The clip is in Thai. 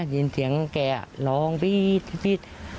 ได้ยินเสียงแกร้องปี๊ด